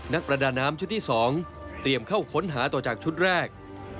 ประดาน้ำชุดที่๒เตรียมเข้าค้นหาต่อจากชุดแรก